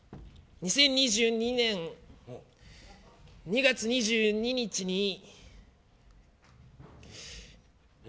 ２０２２年２月２２日に。